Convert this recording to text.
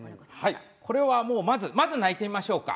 これはまず鳴いてみましょうか。